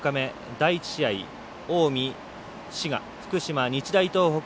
第１試合、近江、滋賀福島、日大東北